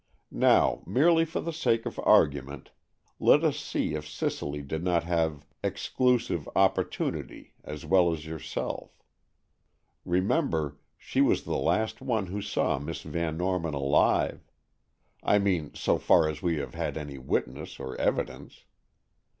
Now, merely for the sake of argument, let us see if Cicely did not have 'exclusive opportunity' as well as yourself. Remember she was the last one who saw Miss Van Norman alive. I mean, so far as we have had any witness or evidence.